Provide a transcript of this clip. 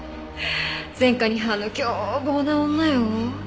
前科二犯の凶暴な女よ。